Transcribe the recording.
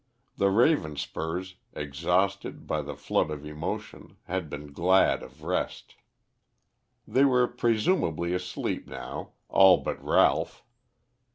The Ravenspurs, exhausted by the flood of emotion, had been glad of rest. They were presumably asleep now, all but Ralph.